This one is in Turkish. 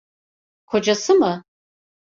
Kocası mı?